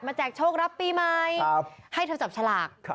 แจกโชครับปีใหม่ให้เธอจับฉลาก